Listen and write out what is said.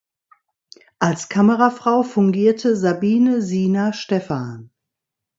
Als Kamerafrau fungierte Sabine Sina Stephan.